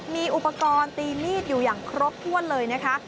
มีอุปกรณ์ตีมีดอยู่อย่างครบถ้วนเลยนะคะ